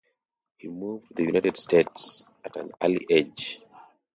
He moved to the United States at an early age.